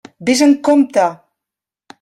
Vés amb compte!